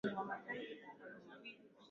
ho nitaenda kupima rasmi